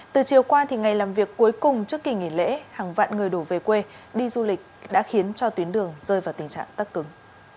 từ chiều qua ngày làm việc cuối cùng trước kỳ nghỉ lễ hàng vạn người đổ về quê đi du lịch đã khiến cho tuyến đường rơi vào tình trạng tắt cứng